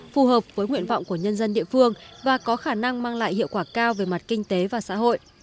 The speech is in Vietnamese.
phù hợp với nguyện vọng của nhân dân địa phương và có khả năng mang lại hiệu quả cao về mặt kinh tế và xã hội